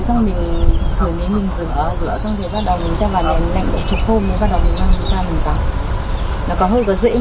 rồi mình rửa rồi mình cho vào nhà lạnh một chục hôm